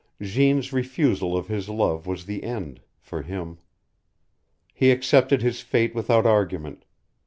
Jeanne's refusal of his love was the end for him. He accepted his fate without argument.